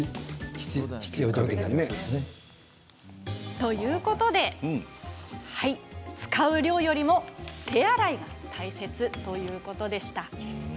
ということで使う量よりも、手洗いが大切だということでした。